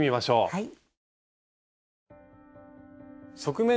はい。